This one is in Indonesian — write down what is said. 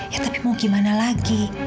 ya tapi mau gimana lagi